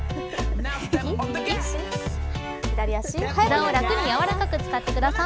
膝を楽にやわらかく使ってください。